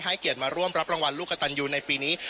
เกียรติมาร่วมรับรางวัลลูกกระตันยูในปีนี้